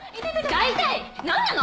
大体何なの？